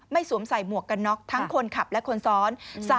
สวมใส่หมวกกันน็อกทั้งคนขับและคนซ้อน